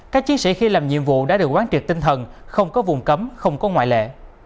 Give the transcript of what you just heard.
các chiến sĩ khi làm nhiệm vụ đã được quán triệt tinh thần không có vùng cấm không có ngoại lệ